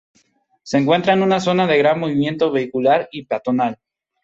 Se encuentra en una zona de gran movimiento vehicular y peatonal.